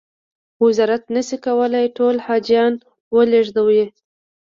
وزارت نه شي کولای ټول حاجیان و لېږدوي.